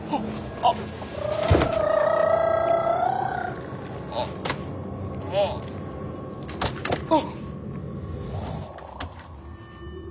・あっああ。